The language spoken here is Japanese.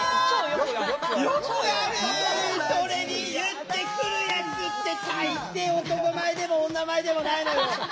それに言ってくるやつって大抵男前でも女前でもないのよ！